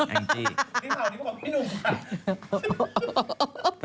อังกฤษครับ